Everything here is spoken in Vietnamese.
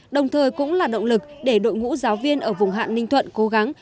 đồng thời cũng là động lực để đội ngũ giáo viên ở vùng hạn ninh thuận cố gắng